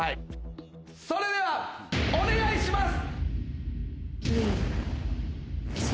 それではお願いします。